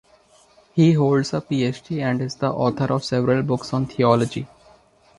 He holds a PhD and is the author of several books on theology.